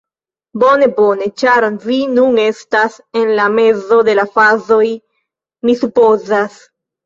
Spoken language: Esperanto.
Bone, bone, ĉar vi nun estas en la mezo de la fazoj mi supozas.